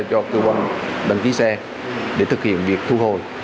cho cơ quan đăng ký xe để thực hiện việc thu hồi